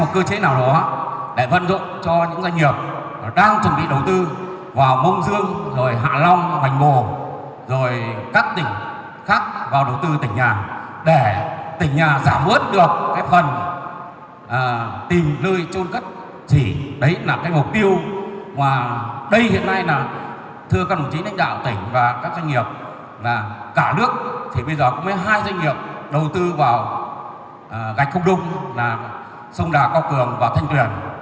các doanh nghiệp là cả nước thì bây giờ có hai doanh nghiệp đầu tư vào gạch không đông là sông đà cao cường và thanh tuyền